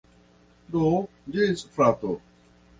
Do, ĝis frato!